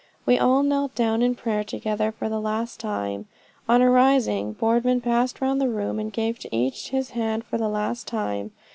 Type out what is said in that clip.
We all knelt down in prayer together for the last time. On arising, Boardman passed round the room, and gave to each his hand for the last time.